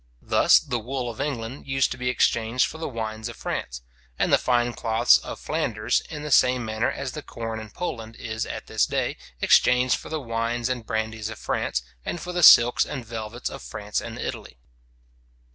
Thus the wool of England used to be exchanged for the wines of France, and the fine cloths of Flanders, in the same manner as the corn in Poland is at this day, exchanged for the wines and brandies of France, and for the silks and velvets of France and Italy.